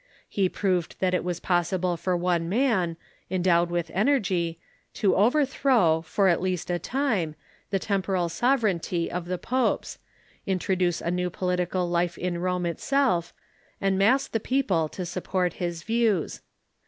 He i^roved that it Avas possible for one man, endoAved Avith energy, to overthroAV, for at least a time, the temporal soA'er eignty of the popes, introduce a new political life in Rome itself, and mass the people to support his vicAvs.